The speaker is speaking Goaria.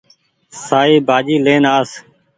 سآئي ڀآجي لين آس